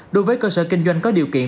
đối với cơ sở kinh doanh có điều kiện